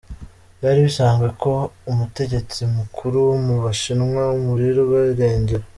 Byari bisanzwe ko umutegetsi mukuru wo mu Bushinwa aburirwa irengero?.